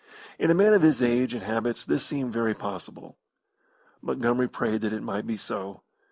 In a man of his age and habits this seemed very possible. Montgomery prayed that it might be so.